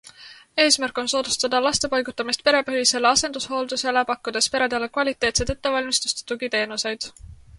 Eesmärk on soodustada laste paigutamist perepõhisele asendushooldusele pakkudes peredele kvaliteetset ettevalmistust ja tugiteenuseid.